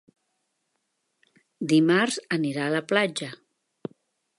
Dimarts anirà a la platja.